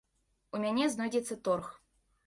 У мяне знойдзецца торг.